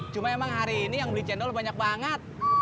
cuma emang hari ini yang beli cendol banyak banget